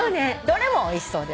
どれもおいしそう。